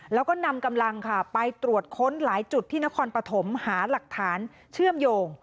แล้วก็นำกำลังค่ะไปตรวจค้นหลายจุดที่นครปฐมหาหลักฐานเชื่อมโยง